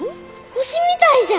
星みたいじゃ！